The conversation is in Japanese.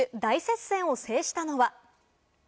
大接戦を制したのは？